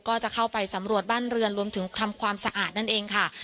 ก็จะเข้าไปสำรวจบ้านเรือนรวมถึงทำความสะอาดนั่นเองค่ะ